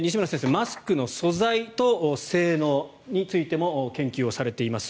マスクの素材と性能についても研究をされています。